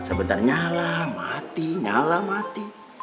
sebentar nyala mati nyala mati